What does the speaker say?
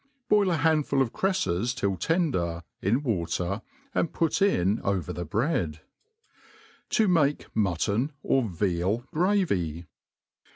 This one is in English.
Boil a handful of creiles till tender, in water, and put in over the bread. 3d make Mutton or Veal Gravy.